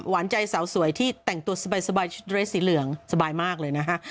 หวานใจสาวสวยที่แต่งตัวสบายชุดเรสสีเหลืองสบายมากเลยนะฮะ